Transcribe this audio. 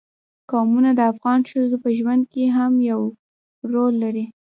قومونه د افغان ښځو په ژوند کې هم یو رول لري.